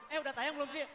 eh udah tayang belum sih